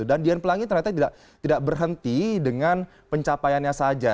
dan dian pelangi ternyata tidak berhenti dengan pencapaiannya saja